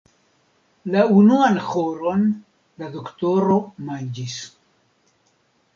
La unuan horon la doktoro manĝis.